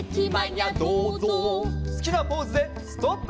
すきなポーズでストップ！